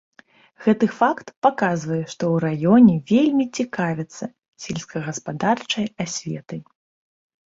Гэты факт паказвае, што ў раёне вельмі цікавяцца сельскагаспадарчай асветай.